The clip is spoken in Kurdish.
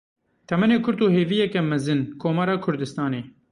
Temenê kurt û hêviyeke mezin: Komara Kurdistanê.